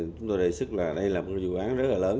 chúng tôi đề xuất là đây là một dự án rất là lớn